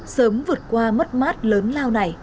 sớm vượt qua mất mát lớn lao này